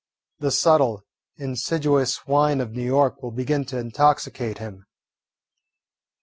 The subtle, insidious wine of New York will begin to intoxicate him.